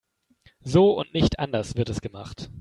So und nicht anders wird es gemacht.